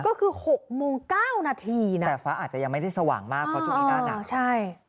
ก็คือหกโมงเก้านาทีนะแต่ฟ้าอาจจะยังไม่ได้สว่างมากเพราะช่วงนี้นั่นอ่ะใช่